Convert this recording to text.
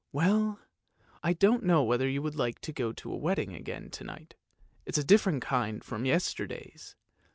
Well, I don't know whether you would like to go to a wedding again to night; it's a different kind from yesterday's.